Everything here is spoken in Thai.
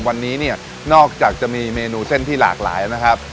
วันนี้เนี่ยนอกจากจะมีเมนูเส้นที่หลากหลายแล้วนะครับ